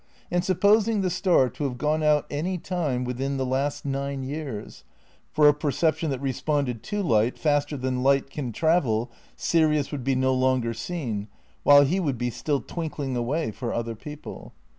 And supposing the star to have gone out any time with in the last nine years, for a perception that responded to light faster than light can travel, Sirius would be no longer seen, while he would still be twinkling away for other people.